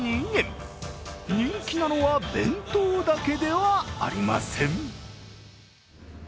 人気なのは弁当だけではありません。